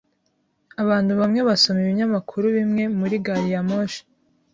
Abantu bamwe basoma ibinyamakuru bimwe muri gari ya moshi.